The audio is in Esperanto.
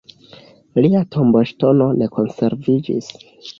Lia tomboŝtono ne konserviĝis.